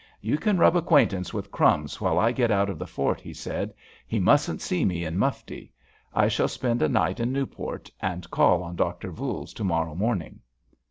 "You can rub acquaintance with 'Crumbs' while I get out of the fort," he said. "He mustn't see me in mufti. I shall spend a night in Newport, and call on Dr. Voules to morrow morning."